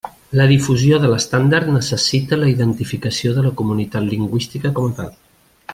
La difusió de l'estàndard necessita la identificació de la comunitat lingüística com a tal.